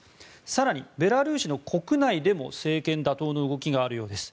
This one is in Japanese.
更に、ベラルーシの国内でも政権打倒の動きがあるようです。